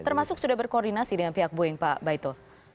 termasuk sudah berkoordinasi dengan pihak boeing pak baitul